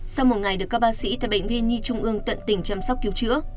sau một ngày được các bác sĩ tại bệnh viện nhi trung ương tận tình chăm sóc cứu chữa